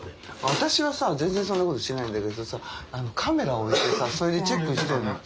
私はさ全然そんなことしないんだけどさカメラ置いてさそれでチェックしてんの。